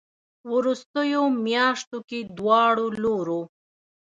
ه وروستيو مياشتو کې دواړو لورو